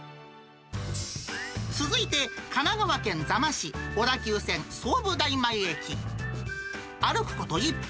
続いて神奈川県座間市、小田急線相武台前駅。歩くこと１分。